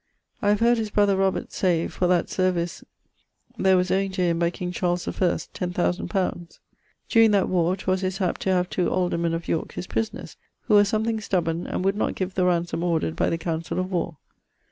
I have heard his brother Robert say, for that service there was owing to him by King Charles the First 10000 li. During that warre, 'twas his hap to have two aldermen of Yorke his prisoners, who were something stubborne, and would not give the ransome ordered by the councell of warr.